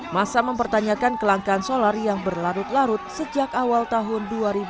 masa mempertanyakan kelangkaan solar yang berlarut larut sejak awal tahun dua ribu dua puluh